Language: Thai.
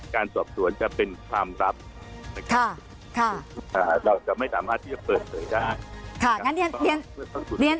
การสอบสวนจะเป็นความลับนะครับเราจะไม่สามารถที่จะเปิดเผยได้